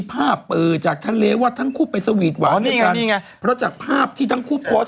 ไปดังไปด้วยกัน